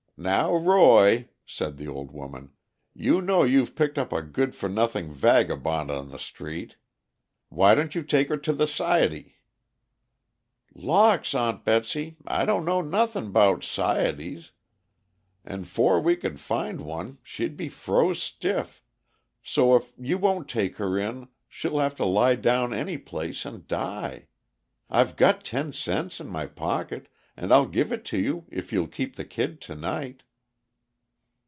"Now, Roy," said the old woman, "you know you've picked up a good for nothing vagabone on the street. Why don't you take her to the 'ciety?" "Lawks, Aunt Betsy, I don't know nothin' 'bout 'cieties, an' fore we could find one she'd be froze stiff, so if you won't take her in, she'll have to lie down any place and die. I've got ten cents in my pocket, and I'll give it to you if you'll keep the kid to night."